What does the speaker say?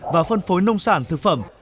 và phân phối nông sản thực phẩm